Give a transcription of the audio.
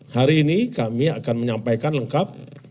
hari ini kami akan menyampaikan lengkap